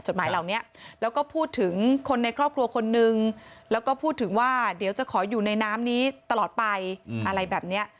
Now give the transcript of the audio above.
หมายเหล่านี้แล้วก็พูดถึงคนในครอบครัวคนนึงแล้วก็พูดถึงว่าเดี๋ยวจะขออยู่ในน้ำนี้ตลอดไปอะไรแบบเนี้ย